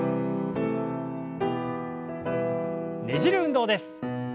ねじる運動です。